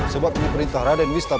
sebab ini perintah raden wista